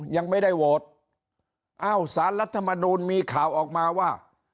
ยังไม่ได้โหวตอ้าวสารรัฐมนูลมีข่าวออกมาว่า